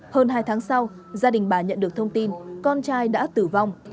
hơn hai tháng sau gia đình bà nhận được thông tin con trai đã tử vong